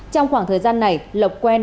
trong khoảng thời gian này lộc quen